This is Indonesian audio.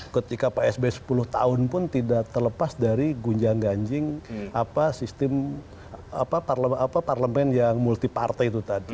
ketika psb sepuluh tahun pun tidak terlepas dari gunjang ganjing sistem apa parlemen yang multi partai